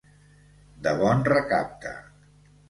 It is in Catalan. De bon recapte.